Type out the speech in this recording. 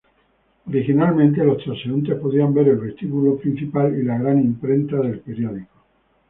Originalmente, los transeúntes podían ver el vestíbulo principal y la gran imprenta del periódico.